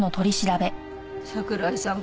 桜井さん